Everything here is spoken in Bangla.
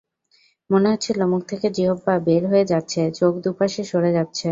মনে হচ্ছিল মুখ থেকে জিহ্বা বের হয়ে যাচ্ছে, চোখ দুপাশে সরে যাচ্ছে।